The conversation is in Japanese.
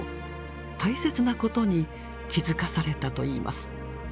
大切なことに気付かされたといいます。